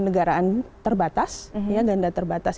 yang terbatas ganda terbatas